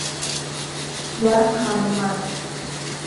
یارم خانومانه